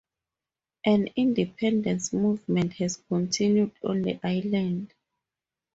An independence movement has continued on the island.